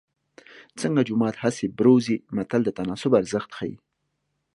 څنګه جومات هسې بروزې متل د تناسب ارزښت ښيي